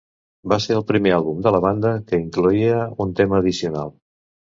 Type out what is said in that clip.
Va ser el primer àlbum de la banda que incloïa un tema addicional.